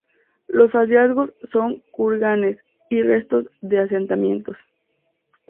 Los hallazgos son kurganes y restos de asentamientos.